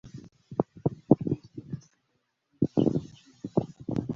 Kristo asigarana n'abigishwa be cum] n'umwe.